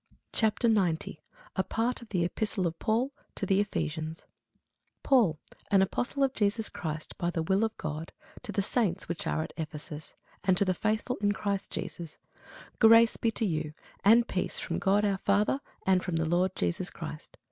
CHAPTER 90 A PART OF THE EPISTLE OF PAUL TO THE EPHESIANS PAUL, an apostle of Jesus Christ by the will of God, to the saints which are at Ephesus, and to the faithful in Christ Jesus: grace be to you, and peace, from God our Father, and from the Lord Jesus Christ.